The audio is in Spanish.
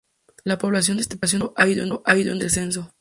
La población de este pueblo ha ido en descenso.